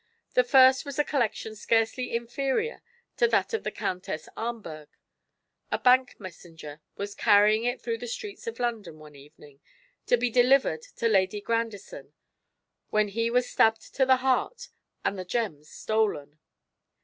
The first was a collection scarcely inferior to that of the Countess Ahmberg. A bank messenger was carrying it through the streets of London one evening, to be delivered to Lady Grandison, when he was stabbed to the heart and the gems stolen.